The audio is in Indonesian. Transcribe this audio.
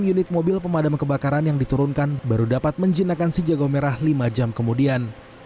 enam unit mobil pemadam kebakaran yang diturunkan baru dapat menjinakkan si jago merah lima jam kemudian